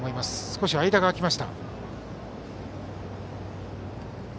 少し間が空きました。